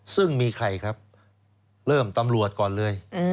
ซึ่งมีใครครับเริ่มตำรวจก่อนเลย